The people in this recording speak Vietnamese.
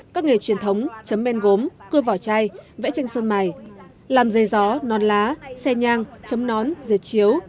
các nghề truyền thống chấm men gốm cưa vỏ chai vẽ tranh sơn mài làm dây gió non lá xe nhang chấm nón dệt chiếu